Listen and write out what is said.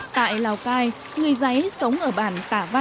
tại lào cai người giấy sống ở bản tả văn